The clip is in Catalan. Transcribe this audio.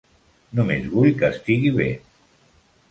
Només vull que estigui bé.